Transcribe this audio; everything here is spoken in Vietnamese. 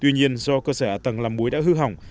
tuy nhiên do cơ sở ở tầng làm muối đã hư hỏng